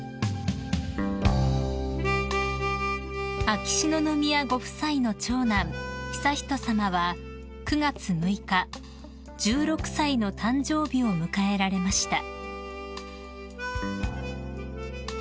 ［秋篠宮ご夫妻の長男悠仁さまは９月６日１６歳の誕生日を迎えられました］